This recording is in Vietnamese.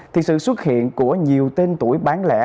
thì sự xuất hiện của nhiều tên tuổi bán lẻ